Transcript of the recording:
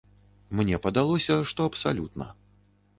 Мне падалося, што абсалютна.